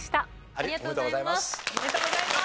ありがとうございます。